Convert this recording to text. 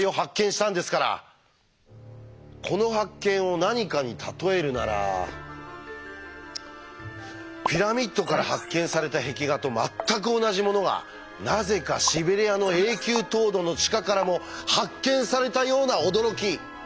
この発見を何かに例えるならピラミッドから発見された壁画と全く同じものがなぜかシベリアの永久凍土の地下からも発見されたような驚き！